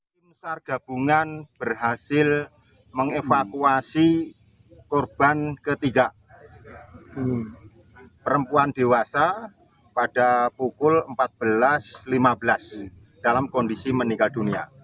tim sar gabungan berhasil mengevakuasi korban ketiga perempuan dewasa pada pukul empat belas lima belas dalam kondisi meninggal dunia